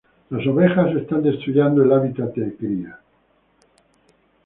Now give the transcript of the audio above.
Las ovejas están destruyendo el hábitat de cría.